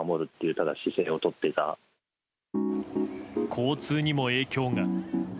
交通にも影響が。